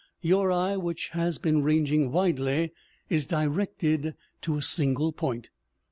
Your eye, which has been ranging widely, is directed to a single point.